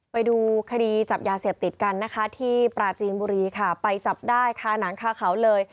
ไปดูคดีจับยาเสพติดกันนะคะที่ปราจีนบุรีค่ะไปจับได้คาหนังคาเขาเลย